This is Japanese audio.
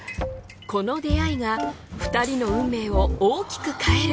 この出会いが２人の運命を大きく変える。